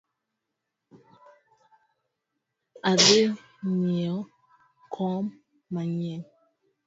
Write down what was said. Adhi nyieo kom manyien